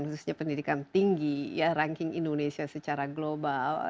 khususnya pendidikan tinggi ya ranking indonesia secara global